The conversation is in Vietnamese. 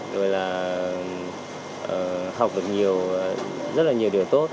rồi là học được nhiều rất là nhiều điều tốt